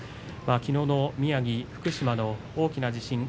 きのうの、宮城福島の大きな地震。